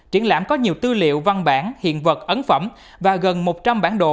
triển lãm có nhiều tư liệu văn bản hiện vật ấn phẩm và gần một trăm linh bản đồ